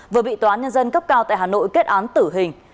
vừa bị tòa án nhân dân cấp cao tại hà nội kết án tử hình